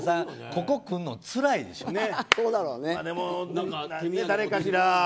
ここ来るのつらいでしょうね。